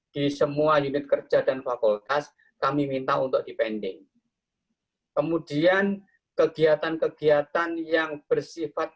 di semua unit kerja dan fakultas kami minta untuk dipending kemudian kegiatan kegiatan yang bersifat